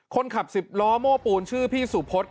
คนขับสิบล้อโม้ปูนชื่อพี่สุพศ